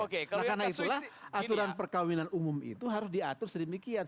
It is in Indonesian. karena itulah aturan perkawinan umum itu harus diatur sedemikian